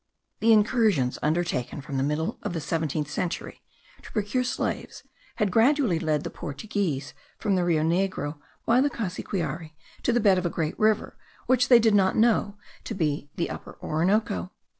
The incursions undertaken from the middle of the seventeenth century, to procure slaves, had gradually led the Portuguese from the Rio Negro, by the Cassiquiare, to the bed of a great river, which they did not know to be the Upper Orinoco.